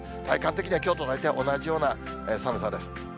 体感的にはきょうと大体同じような寒さです。